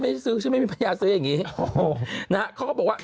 ไม่ฉันไม่มีปัญญาซื้ออย่างงี้